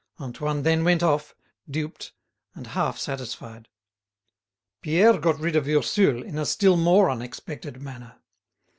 Antoine then went off, duped, and half satisfied. Pierre got rid of Ursule in a still more unexpected manner.